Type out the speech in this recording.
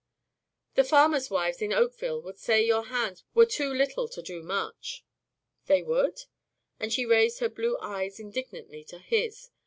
"The farmers' wives in Oakville would say your hands were too little to do much." "They would?" and she raised her blue eyes indignantly to his.